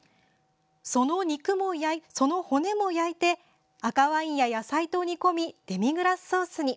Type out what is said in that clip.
その骨も焼いて赤ワインや野菜と煮込みデミグラスソースに。